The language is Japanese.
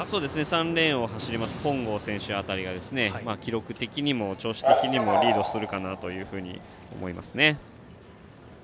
３レーンの本郷選手辺りが記録的にも調子的にもリードするかなと思いますね。